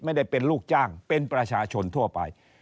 ไม่ได้เป็นลูกจ้างเป็นประชาชนทั่วไป